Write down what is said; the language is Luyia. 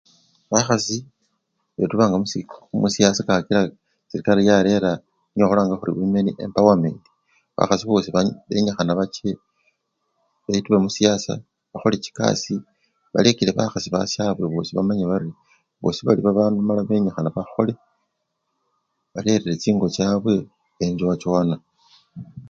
Bakhasi betubanga musiko, musiyasa kakila serekari yarera niye khulanga khuri wimeni empawamenti bakhasi bosi bal! benyikhana bache betube musiyasa bakhole chikasii balekele bakhasi basyabwe bosi bamanye bari bosi bali babandu mala benyikhana bakhole barerire chingo chabwe enchowachowana.